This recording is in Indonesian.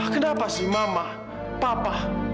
kenapa sih mama papa